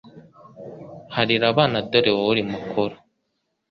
Harira abana dore wowe uri mukuru